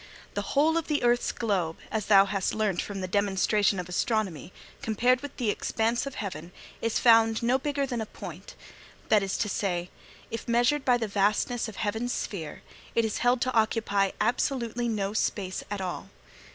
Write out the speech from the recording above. The whole of this earth's globe, as thou hast learnt from the demonstration of astronomy, compared with the expanse of heaven, is found no bigger than a point; that is to say, if measured by the vastness of heaven's sphere, it is held to occupy absolutely no space at all.